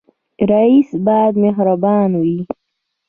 رئیس باید مهربان وي